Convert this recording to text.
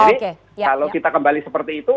jadi kalau kita kembali seperti itu